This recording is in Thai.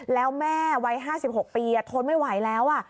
แล้วแม่วัยห้าสิบหกปีทนไม่ไหวแล้ว